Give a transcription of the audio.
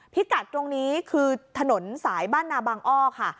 พิกัดตรงนี้คือถนนสายบ้านนาบางอ้อค่ะ